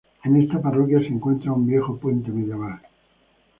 En esta parroquia se encuentra un viejo puente medieval